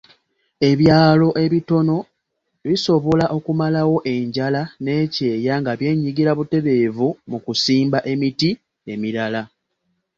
Ebyalo ebitono bisobola okumalawo enjala n'ekyeya nga byenyigira butereevu mu kusimba emiti emirala.